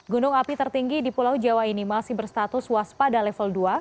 gunung api tertinggi di pulau jawa ini masih berstatus waspada level dua